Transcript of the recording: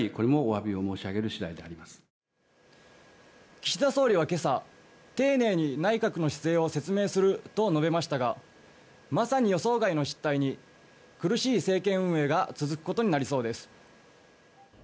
岸田総理は今朝丁寧に内閣の姿勢を説明すると述べましたがまさに予想外の失態に苦しい政権運営が続くことになりそうです。